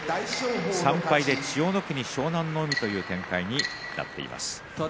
３敗千代の国、湘南の海という展開になっています。